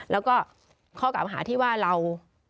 แล้วก็ข้อกล่าวหาที่ว่าเรา